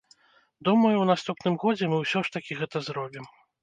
Думаю, у наступным годзе мы ўсё ж такі гэта зробім.